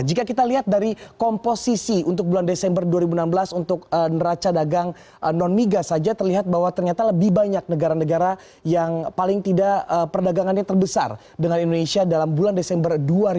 jika kita lihat dari komposisi untuk bulan desember dua ribu enam belas untuk neraca dagang non migas saja terlihat bahwa ternyata lebih banyak negara negara yang paling tidak perdagangannya terbesar dengan indonesia dalam bulan desember dua ribu dua puluh